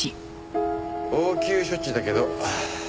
応急処置だけど。